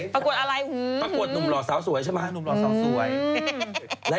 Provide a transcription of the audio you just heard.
ประกวดหนุ่มหล่อเสาค์สวยใช่มั้ย